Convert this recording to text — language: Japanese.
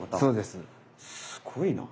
すごいな。